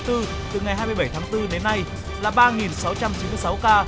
từ ngày hai mươi bảy tháng bốn đến nay là ba sáu trăm chín mươi sáu ca